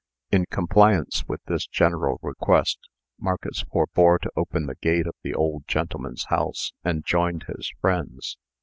In compliance with this general request, Marcus forbore to open the gate of the old gentleman's house, and joined his friends.